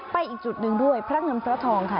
ไปอีกจุดหนึ่งด้วยพระอำสาธองค่ะ